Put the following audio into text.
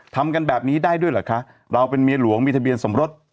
ทำกันแบบนี้ได้ด้วยเหรอคะเราเป็นเมียหลวงมีทะเบียนสมรส